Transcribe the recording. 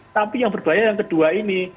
tapi yang berbahaya yang kedua ini